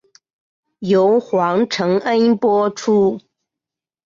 由黄承恩播出。